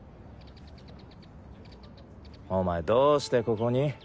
お前どうしてここに？